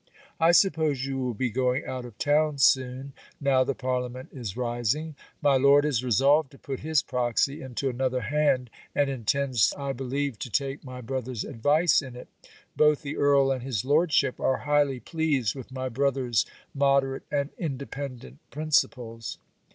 I suppose you will be going out of town soon, now the parliament is rising. My Lord is resolved to put his proxy into another hand, and intends I believe, to take my brother's advice in it. Both the Earl and his Lordship are highly pleased with my brother's moderate and independent principles.